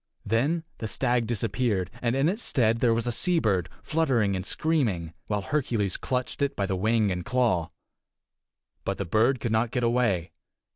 Then the stag disappeared, and in its stead there was a seabird, fluttering and screaming, while Hercules clutched it by the wing and claw. But the bird could not get away.